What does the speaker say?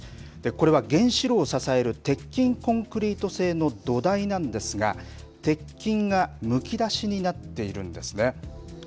これは原子炉を支える鉄筋コンクリート製の土台なんですが、鉄筋がむき出しになっているんですね。